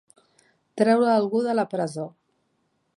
Treure algú de la presó.